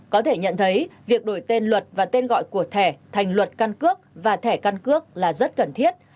có thể nhận thấy việc đổi tên luật và tên gọi của thẻ thành luật căn cước và thẻ căn cước là rất cần thiết